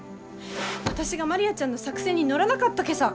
私がマリアちゃんの作戦に乗らなかったけさ。